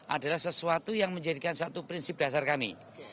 adalah sesuatu yang menjadikan satu prinsip dasar kami